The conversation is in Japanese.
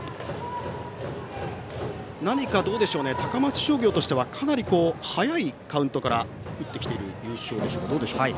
何か、高松商業としてはかなり早いカウントから打ってきている印象でしょうか。